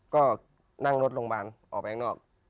ก็นั่งรถลงบ้านออกไปข้างนอก